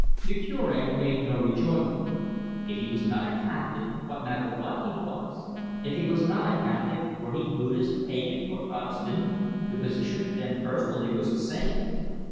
The Cure made no rejoinder. If he was not a Catholic, what matter what he was? If he was not a Catholic, were he Buddhist, pagan, or Protestant, the position for them personally was the same.